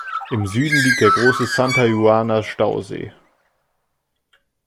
Im Süden liegt der große "Santa Juana"-Stausee.